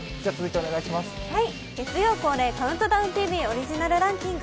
月曜恒例「ＣＤＴＶ」オリジナルランキング。